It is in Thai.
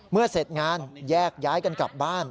เสร็จงานแยกย้ายกันกลับบ้าน